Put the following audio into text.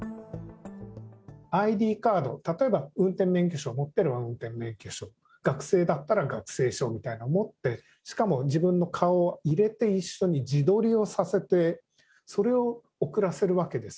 ＩＤカード、例えば、運転免許証を持っていれば運転免許証、学生だったら学生証みたいなのを持って、しかも自分の顔を入れて、一緒に自撮りをさせて、それを送らせるわけです。